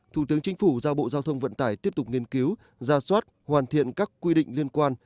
thủ tướng chính phủ giao bộ giao thông vận tải tiếp tục nghiên cứu ra soát hoàn thiện các quy định liên quan